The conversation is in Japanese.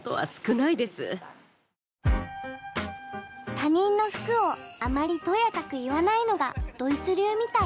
他人の服をあまりとやかく言わないのがドイツ流みたい。